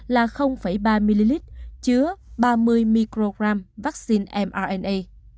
là ba ml chứa ba mươi mcg vaccine mrna